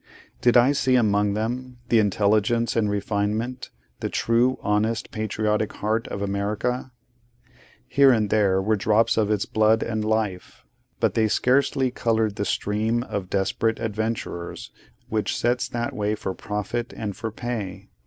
Did I see among them, the intelligence and refinement: the true, honest, patriotic heart of America? Here and there, were drops of its blood and life, but they scarcely coloured the stream of desperate adventurers which sets that way for profit and for pay.